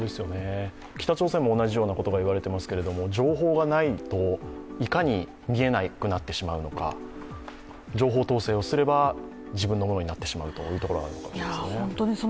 北朝鮮も同じようなことがいわれてますが情報がないといかに見えなくなってしまうのか、情報統制をすれば自分のものになってしまうというところがありますね。